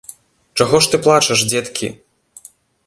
Чаго ж ты плачаш, дзеткі!